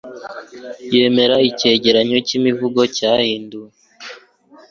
yemera icyegeranyo cy'imivugo cyahinduwe